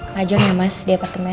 pajok ya mas di apartemen